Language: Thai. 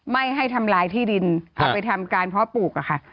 ไม่ให้ทำลายที่ดินเอาไปทำการเพาะปลูกอะค่ะ